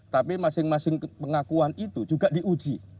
tapi masing masing pengakuan itu juga diuji